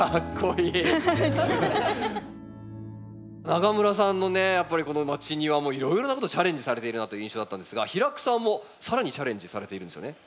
永村さんのねやっぱりこのまちニワもいろいろなことチャレンジされているなという印象だったんですが平工さんも更にチャレンジされているんですよね？